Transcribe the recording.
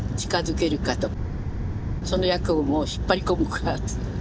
その役を引っ張り込むか。